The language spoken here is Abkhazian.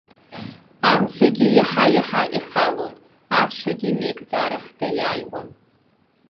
Амзагьы иаҳа-иаҳа ихалон, ашәагьы меигӡарахда иааиуан.